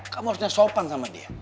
kamu harusnya sopan sama dia